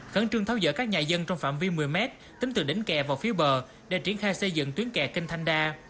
khấn trương tháo dở các nhà dân trong phạm vi một mươi m tính từ đỉnh kẹ vào phía bờ để triển khai xây dựng tuyến kẹ kênh thanh đa